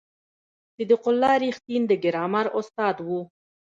صدیق الله رښتین د ګرامر استاد و.